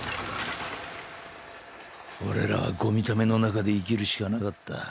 俺らはゴミ溜めの中で生きるしかなかった。